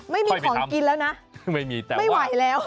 ไม่มีของกินแล้วนะไม่มีแต่ไม่ไหวแล้ว